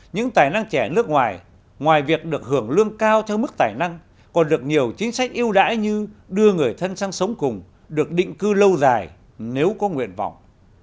những tài năng trẻ nước ngoài ngoài việc được hưởng lương cao theo mức tài năng còn được nhiều chính sách yêu đãi như đưa người thân sang sống cùng được định cư lâu dài nếu có nguyện vọng